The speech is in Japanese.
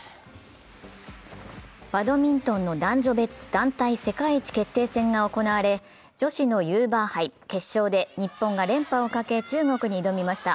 バドミントンの男女別団体世界一決定戦が行われ、女子のユーバー杯決勝で日本が連覇をかけて中国に挑みました。